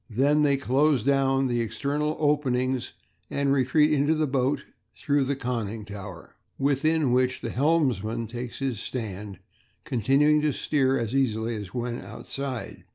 They then close down external openings, and retreat into the boat through the conning tower, within which the helmsman takes his stand, continuing to steer as easily as when outside.